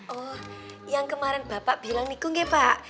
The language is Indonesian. oh yang kemarin bapak bilang ikut gak pak